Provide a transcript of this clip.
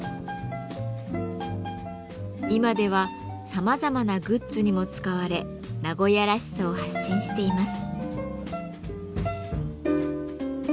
今ではさまざまなグッズにも使われ名古屋らしさを発信しています。